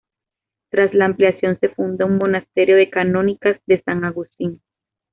Tras la ampliación se funda un monasterio de canónicas de San Agustín.